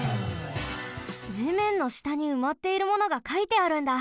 地面のしたにうまっているものがかいてあるんだ。